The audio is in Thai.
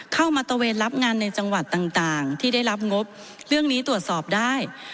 ตะเวนรับงานในจังหวัดต่างที่ได้รับงบเรื่องนี้ตรวจสอบได้